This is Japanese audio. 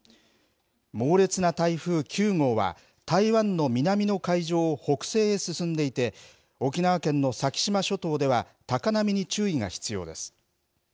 猛烈な台風９号は、台湾の南の海上を北西へ進んでいて、沖縄県の先島諸島では、高波に注意が必要です。